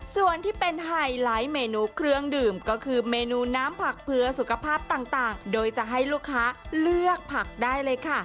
ส่วนที่เป็นไฮไลท์เมนูเครื่องดื่มก็คือเมนูน้ำผักเพื่อสุขภาพต่างโดยจะให้ลูกค้าเลือกผักได้เลยค่ะ